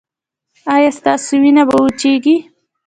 ایا ستاسو وینه به وچیږي؟